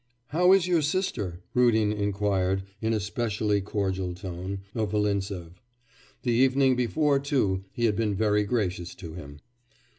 'How is your sister?' Rudin inquired, in a specially cordial tone, of Volintsev. The evening before, too, he had been very gracious to him.